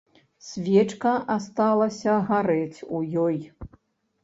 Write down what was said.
Свечка асталася гарэць у ёй.